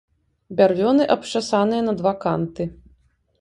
Бярвёны абчасаныя на два канты.